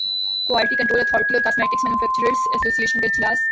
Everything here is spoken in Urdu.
کوالٹی کنٹرول اتھارٹی اور cosmetics manufacturers association کا اجلاس